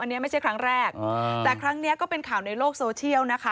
อันนี้ไม่ใช่ครั้งแรกแต่ครั้งนี้ก็เป็นข่าวในโลกโซเชียลนะคะ